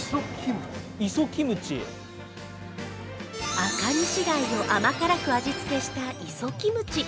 アカニシ貝を甘辛く味付けした磯キムチ。